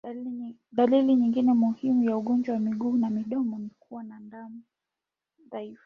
Dalili nyingine muhimu ya ugonjwa wa miguu na midomo ni kuwa na ndama dhaifu